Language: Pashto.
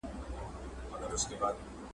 نه به دي د سره سالو پلو ته غزل ولیکي